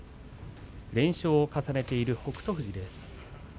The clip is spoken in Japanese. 連勝を重ねている北勝富士です。